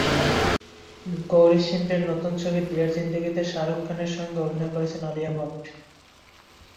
গৌরী সিন্ডের নতুন ছবি ডিয়ার জিন্দেগি-তে শাহরুখ খানের সঙ্গে অভিনয় করছেন আলিয়া ভাট।